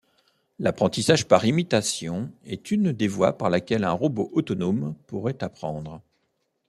L'apprentissage par imitation est une des voies par laquelle un robot autonome pourrait apprendre.